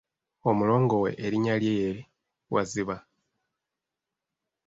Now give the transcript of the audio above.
Omulongo we erinnya lye ye Waziba.